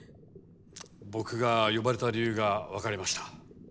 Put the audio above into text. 僕が呼ばれた理由が分かりました。